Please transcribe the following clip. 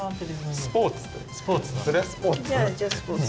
スポーツ？